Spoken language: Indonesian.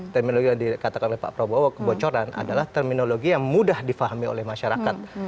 terminologi yang dikatakan oleh pak prabowo kebocoran adalah terminologi yang mudah difahami oleh masyarakat